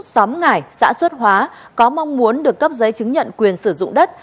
xóm ngải xã xuất hóa có mong muốn được cấp giấy chứng nhận quyền sử dụng đất